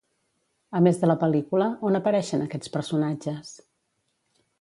A més de la pel·lícula, on apareixen aquests personatges?